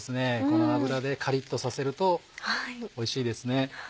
この油でカリっとさせるとおいしいですね。